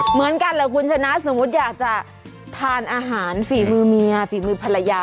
เหมือนกันเหรอคุณชนะสมมุติอยากจะทานอาหารฝีมือเมียฝีมือภรรยา